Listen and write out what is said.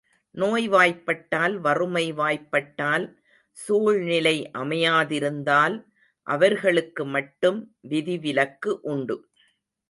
நோய் வாய்ப்பட்டால், வறுமை வாய்ப்பட்டால், சூழ்நிலை அமையாதிருந்தால், அவர்களுக்கு மட்டும் விதிவிலக்கு உண்டு.